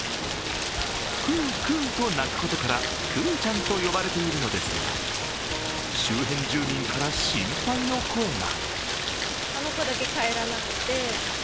クークーと鳴くことから、クーちゃんと呼ばれているのですが周辺住民から心配の声が。